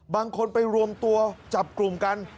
บางคนไปรวมตัวจับกลุ่มกัน